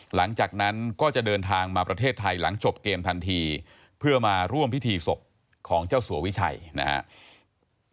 หลังจากนั้นก็จะเดินทางมาประเทศไทยหลังจบเกมทันทีเพื่อมาร่วมพิธีศพของเจ้าสัววิชัยนะครับ